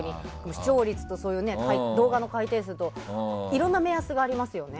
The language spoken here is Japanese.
視聴率と動画の回転数といろんな目安がありますよね。